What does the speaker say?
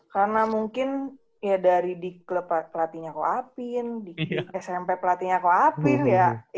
karena mungkin ya dari di klub pelatihnya koafin di smp pelatihnya koafin ya